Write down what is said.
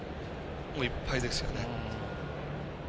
もう、いっぱいですよね。